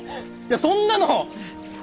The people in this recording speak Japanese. そんなの！